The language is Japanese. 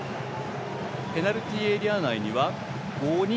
ペナルティーエリア内には５人。